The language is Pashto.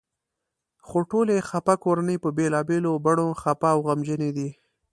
خو ټولې خپه کورنۍ په بېلابېلو بڼو خپه او غمجنې دي.